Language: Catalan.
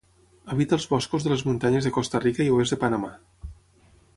Habita els boscos de les muntanyes de Costa Rica i oest de Panamà.